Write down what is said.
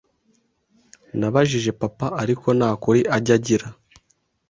Nabajije papa, ariko nakuri ajya agira